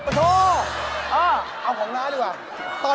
โอ้โหเอาของน้าดีกว่า